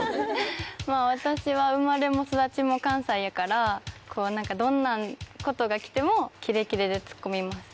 私は生まれも育ちも関西やからどんなことが来てもキレキレでツッコみます。